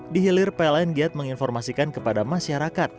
dihilir pln giat menginformasikan kepada masyarakat